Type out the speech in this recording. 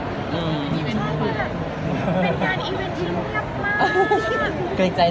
มีโครงการทุกทีใช่ไหม